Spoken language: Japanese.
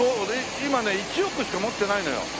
今ね１億しか持ってないのよ。